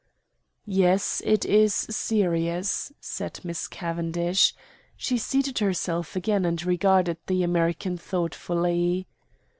"Yes, it is serious," said Miss Cavendish. She seated herself again and regarded the American thoughtfully.